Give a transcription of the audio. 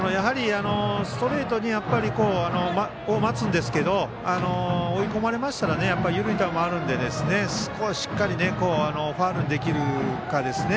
ストレートを待つんですが追い込まれましたら緩い球があるのでそこをしっかりファウルにできるかですね。